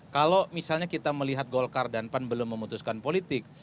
kalau misalnya kita melihat golkar dan pan belum memutuskan politik